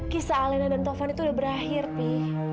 kisah alena dan taufan itu udah berakhir pi